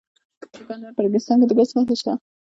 د کندهار په ریګستان کې د ګچ نښې شته.